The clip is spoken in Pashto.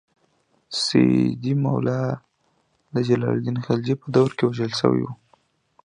سیدي مولا د جلال الدین خلجي په دور کې وژل شوی و.